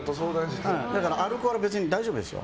だから、アルコールは別に大丈夫ですよ。